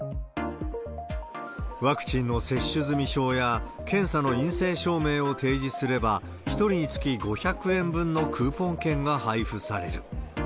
ワクチンの接種済証や検査の陰性証明を提示すれば、１人につき５００円分のクーポン券が配布される。